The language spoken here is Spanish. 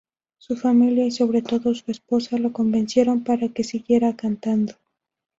Su familia y sobre todo su esposa lo convencieron para que siguiera cantando.